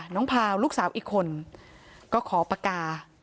พาวลูกสาวอีกคนก็ขอปากกา